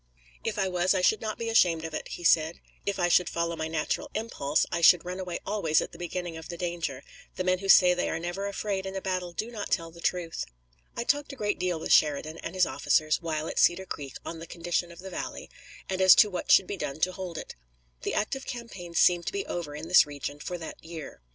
"If I was I should not be ashamed of it," he said. "If I should follow my natural impulse, I should run away always at the beginning of the danger; the men who say they are never afraid in a battle do not tell the truth." I talked a great deal with Sheridan and his officers while at Cedar Creek on the condition of the valley, and as to what should be done to hold it. The active campaign seemed to be over in this region for that year.